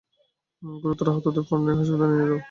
গুরুতর আহতদের ফ্রন্টলাইন হাসপাতালে নিয়ে যাও।